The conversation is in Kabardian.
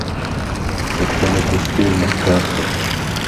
Дэтхэнэ бостейр нэхъ дахэ?